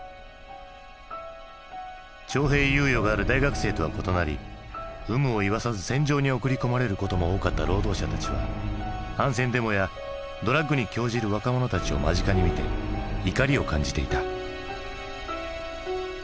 徴兵猶予がある大学生とは異なり有無を言わさず戦場に送りこまれることも多かった労働者たちは反戦デモやドラッグに興じる若者たちを間近に見て怒りを感じていた。